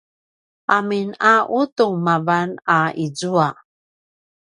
amin a ’udung mavan a izua